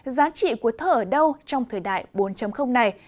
giá trị của thơ ở đâu trong thời đại bốn này